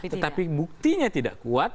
tetapi buktinya tidak kuat